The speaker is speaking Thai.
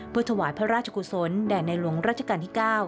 เพื่อถวายพระราชกุศลแด่ในหลวงราชการที่๙